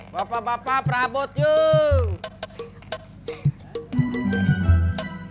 bapak bapak prabut yuk